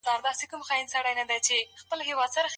که تعلیمي ویډیو وي نو وخت نه ضایع کیږي.